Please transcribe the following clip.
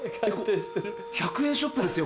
１００円ショップですよ